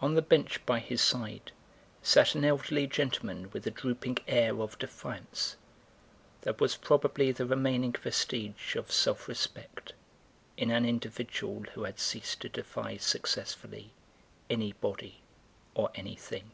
On the bench by his side sat an elderly gentleman with a drooping air of defiance that was probably the remaining vestige of self respect in an individual who had ceased to defy successfully anybody or anything.